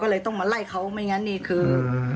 ก็จะยกโทษให้เขาอีกสักครั้งนึง